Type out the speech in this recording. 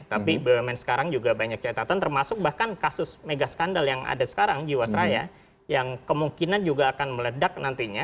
tapi bumn sekarang juga banyak catatan termasuk bahkan kasus mega skandal yang ada sekarang jiwasraya yang kemungkinan juga akan meledak nantinya